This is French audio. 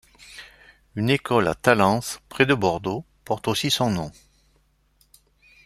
Une école à Talence près de Bordeaux porte aussi son nom.